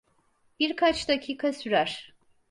Birkaç dakika sürer.